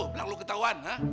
belang lo ketahuan